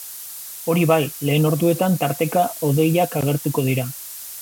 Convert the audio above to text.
Hori bai, lehen orduetan, tarteka, hodeiak agertuko dira.